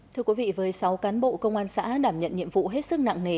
thưa quý vị với sáu cán bộ công an xã đảm nhận nhiệm vụ hết sức nặng nề